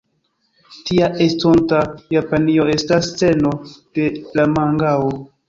Tia estonta Japanio estas sceno de la mangao.